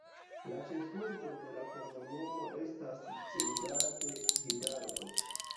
La ĉefurbo de la komunumo estas Ciudad Hidalgo.